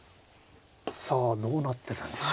さあどうなってるんでしょう。